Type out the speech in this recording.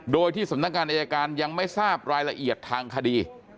โดยที่สำนักงานอายการยังไม่ทราบรายละเอียดทางคดี